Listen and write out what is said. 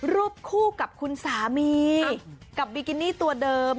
รูปคู่กับคุณสามีกับบิกินี่ตัวเดิม